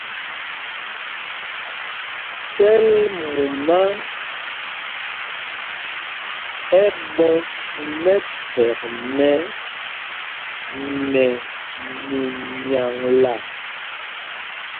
Sɛl mumá ɛ ɓɔs mɛphɛk mɛ́ nɛ mimyaŋla.